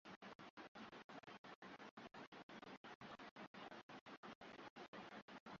na kupambana na uharibifu wa mazingira